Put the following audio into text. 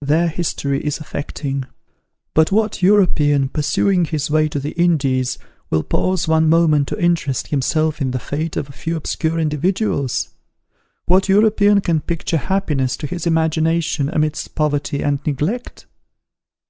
Their history is affecting; but what European, pursuing his way to the Indies, will pause one moment to interest himself in the fate of a few obscure individuals? What European can picture happiness to his imagination amidst poverty and neglect?